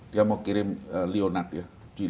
dia mau kirim leonard ya